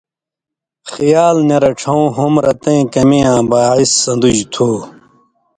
خیال نی رڇھؤں ہُم رَتَیں کمی یاں باعث سندُژ تُھو۔